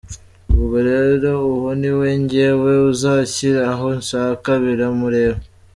Ubwo rero uwo niwe njyewe uzashyira aho ashaka biramureba.